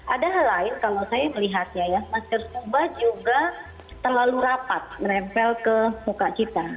ada hal lain kalau saya melihatnya ya masker scoba juga terlalu rapat menempel ke muka kita